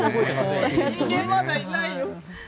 人間まだいないよ。